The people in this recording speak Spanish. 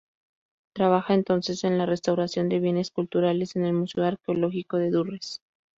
Trabaja entonces en la restauración de bienes culturales, en el Museo Arqueológico de Durrës.